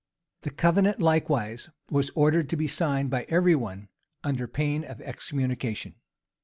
{1639.} The covenant, likewise, was ordered to be signed by every one, under pain of excommunication.